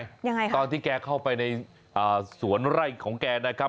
ตอนที่แกเข้าไปในสวนไร่ของแกได้ครับ